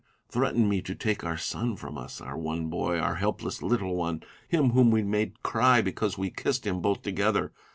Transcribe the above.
Threaten me to take our son from us — our one boy, our helpless little one — him whom we made cry because we kissed him both together